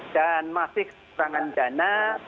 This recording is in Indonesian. dan masih kekurangan dana